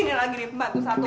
inilah gini bantu satu